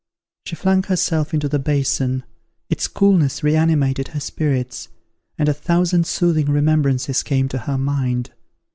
She flung herself into the basin: its coolness reanimated her spirits, and a thousand soothing remembrances came to her mind.